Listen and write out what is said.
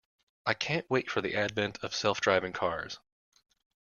I can't wait for the advent of self driving cars.